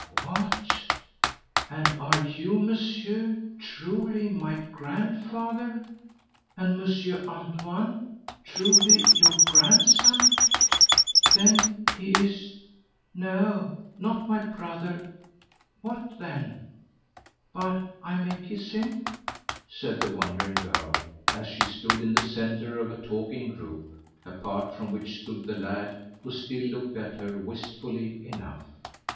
"What! and are you, monsieur, truly my grandfather, and Monsieur Antoine truly your grandson? Then he is no, not my brother; what then? But I may kiss him?" said the wondering girl, as she stood the centre of a talking group, apart from which stood the lad, who still looked at her wistfully enough.